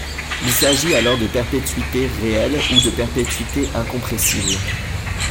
Il s’agit alors de perpétuité réelle ou de perpétuité incompressible.